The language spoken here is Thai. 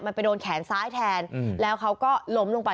มันไปโดนแขนซ้ายแทนแล้วเขาก็ล้มลงไป